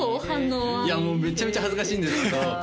反応はいやもうめちゃめちゃ恥ずかしいんですけど